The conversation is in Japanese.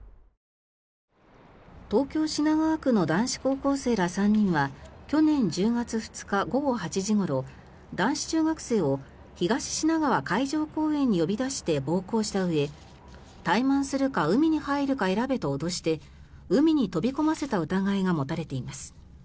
東京・品川区の男子高校生ら３人は去年１０月２日午後８時ごろ男子中学生を東品川海上公園に呼び出して暴行したうえタイマンするか海に入るか選べと脅して海に飛び込ませた疑いが持たれています。